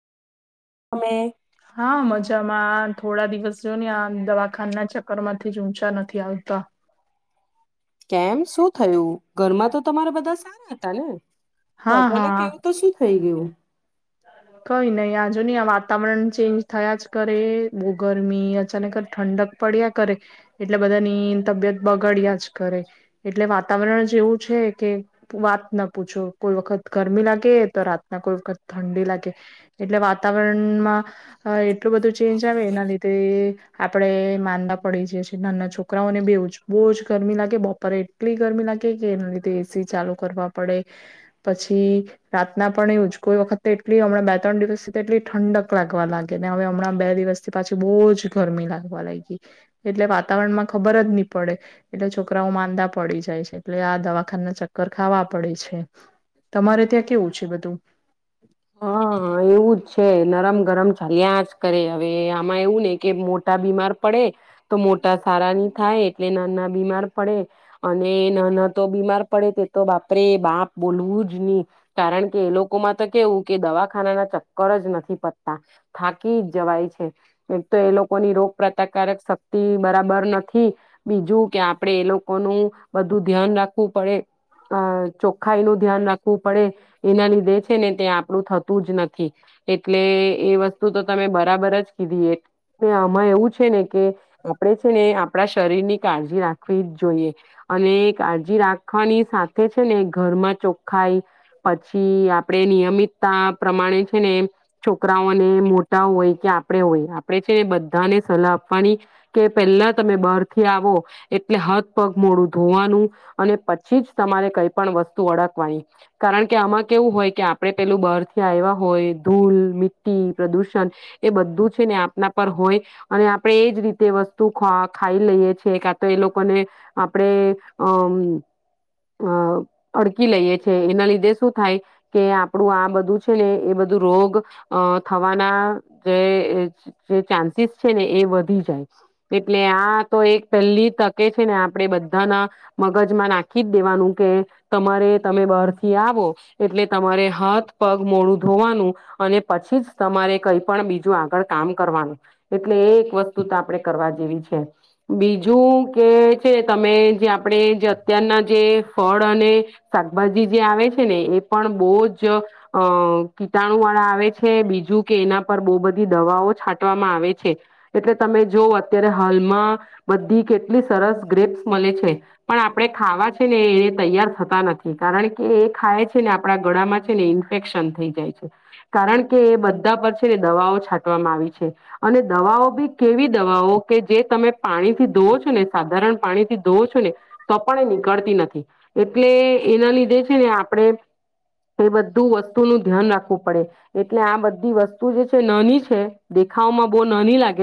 તમે હા મજામાં થોડા દિવસ જો ને આ દવાખાના ચક્કર માંથી જ ઊંચા નથી આવતા. કેમ શું થયું ઘરમાં તો તમારા બધા સારા હતા ને? તો હા અચાનક હા એવું તો શું થઇ ગયું? હ [unintelligible] કઈ નહી આ જો નહી આ વાતાવરણ ચેન્જ થયા જ કરે બહુ ગરમી અચાનક ઠંડક પડ્યા કરે, એટલે બધાની તબિયત બગાડ્યા જ કરે, એટલે વાતાવરણ જ એવું છે કે વાત ન પૂછો કોઈ વખત ગરમી લાગે તો રાતના કોઈ વખત ઠંડી લાગે, એટલે વાતાવરણમાં. એટલું બધું ચેન્જ આવે એના લીધે આપડણે માંદા પડી જીએ નાના છોકરાઓને બવ જ બહુ જ ગરમી લાગે બપોરે એટલી ગરમી લાગે કે એના લીધે એ સી ચાલુ કરવા પડે, પછી રાતના પણ એવુંજ કોઈ વખત એટલી હમણાં બે ત્રણ દિવસથી એટલી ઠંડક લાગવા લાગેને હવે હમણાં બે દિવસથી પાછી બહુ જ ગરમી લાગવા લાગી, એટલે વાતાવરણ માં ખબર જ નહી પડે, એટલે છોકરાઓ માંદા પડી જાય છે એટલે આ દવાખાનાના ચક્કર ખાવા પડે છે, તમારે ત્યાં કેવું છે બધું? હા હ એવું જ છે નરમ ગરમ ચાલ્યા જ કરે હવે આમાં એવું ને કે મોટા બીમાર પડે, તો મોટા સારા ની થાય એટલે નાના બીમાર પડે, અને નાના તો બીમાર પડે તે તો બાપરે બાપ બોલવું જ નહી, કારણ કે એ લોકોમાં તો કેવું કે દવાખાનાના ચક્કર જ નથી પતતા, થાકી જ જવાય છે એક તો એ લોકોની રોગ પ્રતિકક શક્તિ બરાબર નથી, બીજું કે આપડે એ લોકોનું બધું ધ્યાન રાખવું પડે, અ ચોખ્ખાઈ નું ધ્યાન રાખવું પડે એના લીધે ને ત્યાં આપણું થતું જ નથી, એટલે એ વસ્તુ તો તમે બરાબર જ કીધી એ આમાં એવું છે ને કે, આપણેે છે ને આપણા શરીર ની કાળજી રાખવી જ જોઈએ, અને કાળજી રાખવાની સાથે છે ને ઘરમાં ચોખખાઈ પછી આપણે નિયમિતતા પ્રમાણે છે ને, છોકરાઓને મોટા હોય કે આપણે હોય આપણે છે ને બધાને સલાહ આપવાની, કે પહેલા તમે બહાર થી આવો, એટલે હથ પગ મોડું ધોવાનું, અને પછી જ તમારે કઈ પણ વસ્તુ અળકવાની, કારણ કે આમાં કેવું હોય કે આપણે પેલું બહાર થી આવ્યા હોય ધૂલ મિટ્ટી પ્રદુષણ એ બધું છે ને આપના પર હોય, અને આપણે એજ રીતે વસ્તુ ખાઈ લઈએ છેએ ક તો એ લોકોને, આપણે અમ અ અડકી લઈએ છે એના લીધે શું થાય. કે આપણું આ બધું છે ને એ બધું રોગ, થવાના જે ચાન્સીસ છે ને એ વધી જાય, એટલે આ તો એક પહેલી તકે છે ને આપણે બધાના, મગજમાં નાખી જ દેવાનું કે, તમારે તમે બહારથી આવો, એટલે તમારે હાથ પગ મોડું ધોવાનું, અને પછી જ તમારે કઈ પણ બીજું આગળ કામ કરવાનું, એટલે એ એક વસ્તુ તો આપણેે કરવા જેવી છે, બીજું કે છે તમે જે આપણે જે અત્યારના જે ફળ અને, શાકભાજી જે આવે છે ને એ પણ બહુ જ, અ કીટાણુ વાળા આવે છે બીજું કે એના પર બહુ બધી દવાઓ છાંટવામાં આવે છે, એટલે તમે જો અત્યારે હાલમાં, બધી કેટલી સરસ ગ્રેપ્સ મળે છે, પણ આપડણે ખાવા ને એને તૈયાર થતા નથી કારણ કે એ ખાય છે ને આપણા ગળામાં છે ને ઇન્ફેક્શન થઈ જાય છે, કારણ કે એ બધા પર છે ને દવાઓ છાંટવામાં આવી છે, અને દવાઓ બી કેવી દવાઓ કે જે તમે પાણીથી ધોઓ છો ને સાધારણ પાણી થી ધોઓ છો ને, તો પણ એ નીકળતી નથી, એટલે એના લીધે છે ને આપણે એ બધું વસ્તુ નું ધ્યાન રાખવું પડે, એટલે આ બધી વસ્તુ જે છે નાની છે દેખામાં બહુ નાની લાગે.